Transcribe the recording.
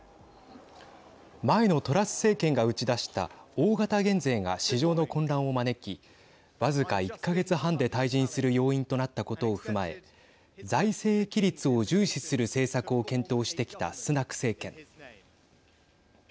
前のトラス政権が打ち出した大型減税が市場の混乱を招き僅か１か月半で退陣する要因となったことを踏まえ財政規律を重視する政策を検討してきたスナク政権。